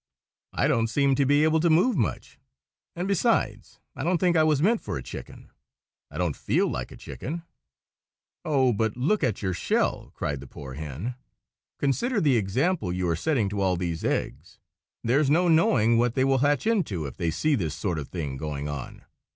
"I don't seem to be able to move much; and besides, I don't think I was meant for a chicken. I don't feel like a chicken." "Oh, but look at your shell!" cried the poor hen. "Consider the example you are setting to all these eggs! There's no knowing what they will hatch into if they see this sort of thing going on.